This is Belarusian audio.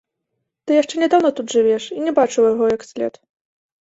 Ты яшчэ нядаўна тут жывеш і не бачыў яго як след.